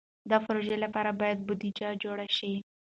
د پروژو لپاره باید بودیجه جوړه شي.